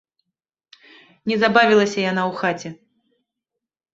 Не забавілася яна ў хаце.